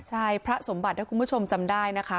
ใช่พระสมบัติถ้าคุณผู้ชมจำได้นะคะ